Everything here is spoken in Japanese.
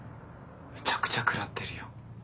めちゃくちゃ食らってるやん。